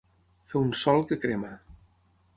Fer un sol que crema.